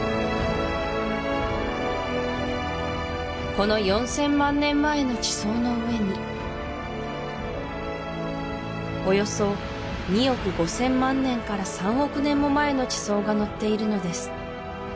この４０００万年前の地層の上におよそ２億５０００万年から３億年も前の地層がのっているのです